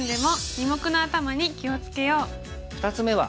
２つ目は。